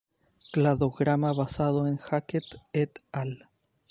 Cladograma basado en Hackett "et al.